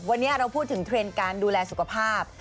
วันนี้เราพูดถึงเทรนด์การดูแลสุขภาพ